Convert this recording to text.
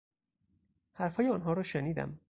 حرفهای آنها را شنیدم.